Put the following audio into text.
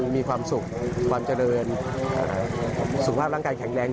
มีความสุขความเจริญสุขภาพร่างกายแข็งแรง